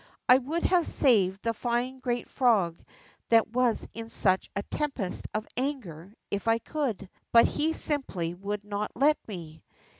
I would have saved the fine great frog that was in such a tempest of anger if I could, but he simply would not let me.